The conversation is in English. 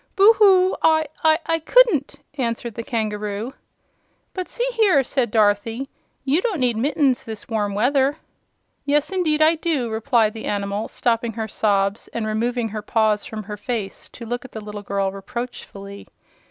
"Boo hoo! I I couldn't," answered the kangaroo. "But, see here," said Dorothy, "you don't need mittens in this warm weather." "Yes, indeed I do," replied the animal, stopping her sobs and removing her paws from her face to look at the little girl reproachfully.